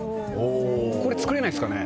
これ、作れないですかね。